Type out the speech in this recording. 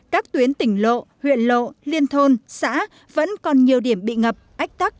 các tuyến tỉnh lộ huyện lộ liên thôn xã vẫn còn nhiều điểm bị ngập ách tắc